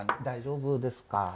大丈夫ですか？